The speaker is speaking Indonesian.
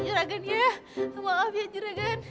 bukan cuma sihir